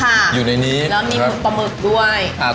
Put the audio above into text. ภาพอยู่ในนี้แล้วมีหมุนปำหมึกด้วย